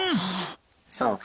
そう。